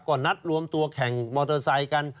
ก็นัดรวมตัวแข่งมอเตอร์ไซค์กัน